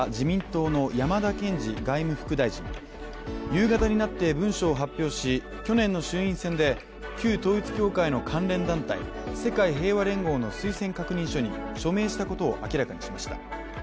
夕方になって文書を発表し、去年の衆院選で旧統一教会の関連団体世界平和連合の推薦確認書に署名したことを明らかにしました。